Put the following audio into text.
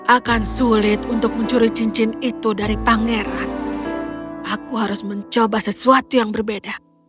akan sulit untuk mencuri cincin itu dari pangeran aku harus mencoba sesuatu yang berbeda